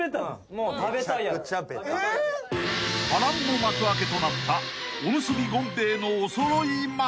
［波乱の幕開けとなったおむすび権米衛のおそろい松］